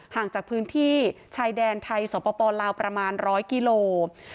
ห่างจากพื้นที่ชายแดนไทยสปลาวประมาณ๑๐๐กิโล